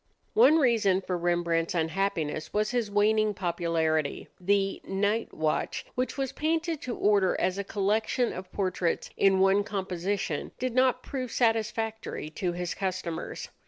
One reason for Rembrandt's unhappiness was his waning popularity. The "Night Watch," which was painted to order as a collection of portraits in one composition, did not prove satisfactory to his customers.